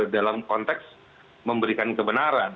dalam konteks memberikan kebenaran